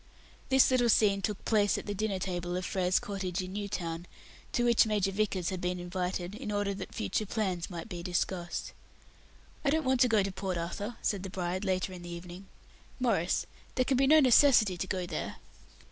This little scene took place at the dinner table of Frere's cottage, in New Town, to which Major Vickers had been invited, in order that future plans might be discussed. "I don't want to go to Port Arthur," said the bride, later in the evening. "Maurice, there can be no necessity to go there."